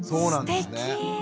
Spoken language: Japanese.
すてき！